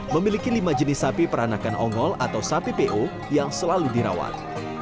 memiliki lima jenis sapi peranakan ongol atau sapi po yang selalu dirawat